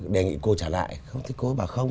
đề nghị cô trả lại thì cô bảo không